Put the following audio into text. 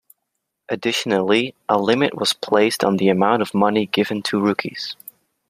Additionally, a limit was placed on the amount of money given to rookies.